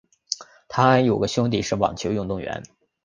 她还有个兄弟是网球运动员。